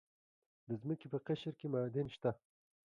د ځمکې په قشر کې معادن شته.